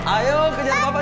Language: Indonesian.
ayo kejar papa